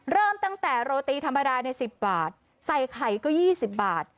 เริ่มตั้งแต่โรตีธรรมดาใน๑๐บาทใส่ไข่ก็๒๐บาท